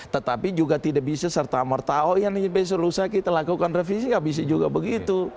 tetapi juga tidak bisa serta merta oh yang ini beser lusaki lakukan revisi nggak bisa juga begitu